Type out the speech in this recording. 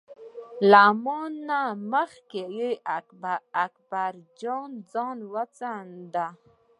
له ما نه مخکې اکبر جان ځان وڅانډه.